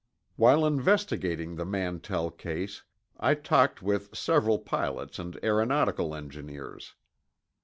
While investigating the Mantell case, I talked with several pilots and aeronautical engineers.